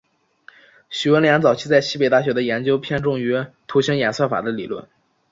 许闻廉早期在西北大学的研究偏重于图形演算法的理论。